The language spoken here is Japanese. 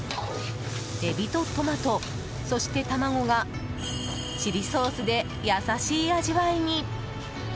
エビとトマト、そして卵がチリソースで優しい味わいに。